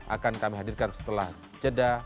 akan kami hadirkan setelah jeda